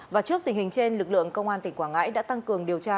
và trước tình hình trên lực lượng công an tỉnh quảng ngãi đã tăng cường điều tra